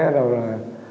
thế đầu là